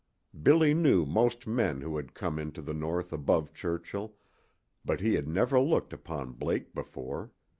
Billy knew most men who had come into the north above Churchill, but he had never looked upon Blake before.